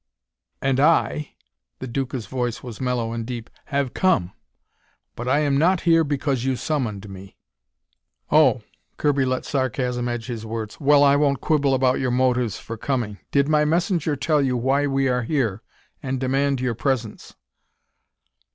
"And I," the Duca's voice was mellow and deep "have come. But I am not here because you summoned me." "Oh!" Kirby let sarcasm edge his words. "Well, I won't quibble about your motives for coming. Did my messenger tell you why we are here and demand your presence?"